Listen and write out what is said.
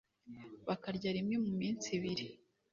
bakarya rimwe mu minsi ibiri